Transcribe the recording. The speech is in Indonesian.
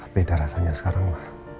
beda rasanya sekarang